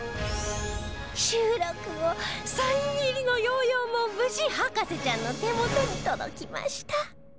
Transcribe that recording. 収録後サイン入りのヨーヨーも無事博士ちゃんの手元に届きました